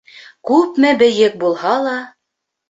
Күпме бейек булһа ла